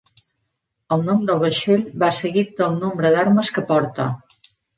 El nom del vaixell va seguit del nombre d'armes que porta.